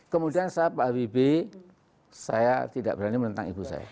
kemudian saat pak habibie saya tidak berani menentang ibu saya